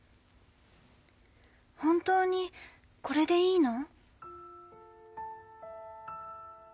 本当にこれでいいの？